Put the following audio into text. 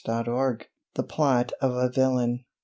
CHAPTER VI. THE PLOT OF A VILLAIN.